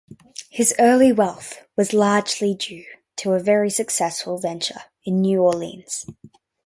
His early wealth was largely due to a very successful venture in New Orleans.